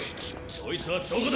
そいつはどこだ！